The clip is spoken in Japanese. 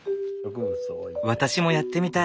私もやってみたい。